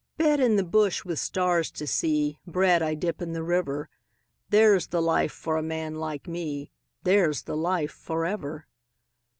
Bed in the bush with stars to see, Bread I dip in the river There's the life for a man like me, There's the life for ever.